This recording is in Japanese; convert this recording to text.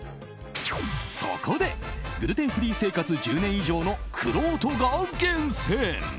そこでグルテンフリー生活１０年以上のくろうとが厳選。